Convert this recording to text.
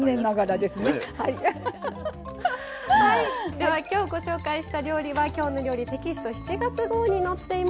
ではきょうご紹介した料理は「きょうの料理」テキスト７月号に載っています。